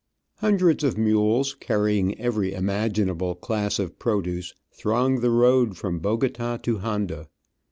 Hundreds of mules, carrying every imaginable class of produce, throng the road from Bogota to Honda.